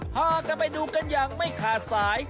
พากันไปดูกันอย่างไม่ขาดสาย